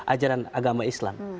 ajaran agama islam